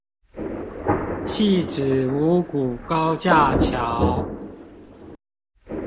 汐止五股高架橋